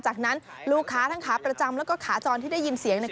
จากนั้นลูกค้าทั้งขาประจำแล้วก็ขาจรที่ได้ยินเสียง